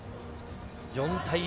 ４対１。